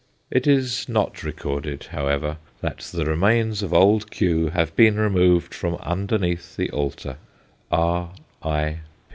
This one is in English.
It is not recorded, however, that the remains of Old Q. have been removed from underneath the altar. B.I.